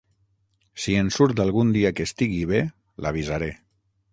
Si en surt algun dia que estigui bé, l'avisaré.